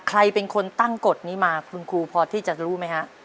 ใครเป็นคนตั้งกฎนี้มาคุณครูพอที่จะรู้ไหมฮะ